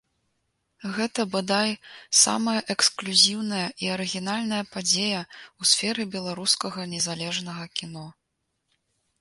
Гэта, бадай, самая эксклюзіўная і арыгінальная падзея ў сферы беларускага незалежнага кіно.